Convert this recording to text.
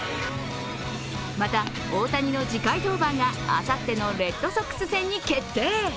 また、大谷の次回登板があさってのレッドソックス戦に決定。